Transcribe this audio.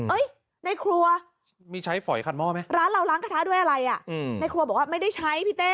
เอ๊ะในครัวร้านเราล้างกระทะด้วยอะไรในครัวบอกว่าไม่ได้ใช้พี่เต้